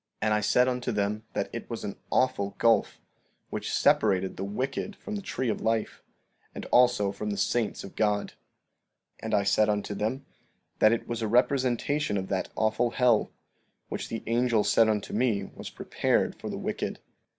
15:28 And I said unto them that it was an awful gulf, which separated the wicked from the tree of life, and also from the saints of God. 15:29 And I said unto them that it was a representation of that awful hell, which the angel said unto me was prepared for the wicked.